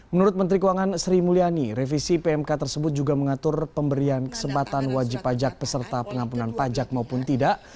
menurut menteri keuangan sri mulyani revisi pmk tersebut juga mengatur pemberian kesempatan wajib pajak peserta pengampunan pajak maupun tidak